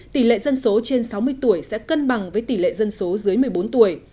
tỷ lệ dân số trên sáu mươi tuổi sẽ cân bằng với tỷ lệ dân số dưới một mươi bốn tuổi